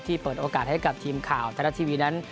เปิดโอกาสให้กับทีมข่าวไทยรัฐทีวีนั้น